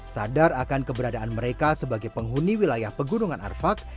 sadar akan keberadaan mereka sebagai penghuni wilayah pegunungan arfak